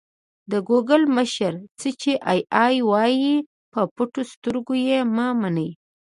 د ګوګل مشر: څه چې اې ای وايي په پټو سترګو یې مه منئ.